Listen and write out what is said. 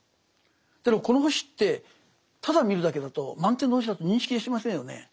だけどこの星ってただ見るだけだと満天の星だと認識しませんよね。